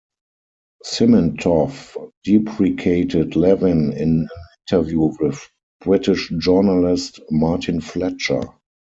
Simintov deprecated Levin in an interview with British journalist Martin Fletcher.